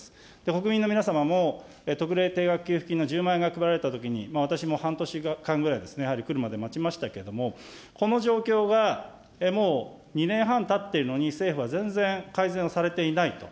国民の皆様も特例定額給付金の１０万円が配られたときに、私も半年間ぐらいですね、やはり来るまで待ちましたけれども、この状況が、もう２年半たっているのに、政府は全然改善をされていないと。